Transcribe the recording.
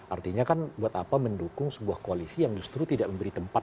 artinya kan buat apa mendukung sebuah koalisi yang justru tidak memberi tempat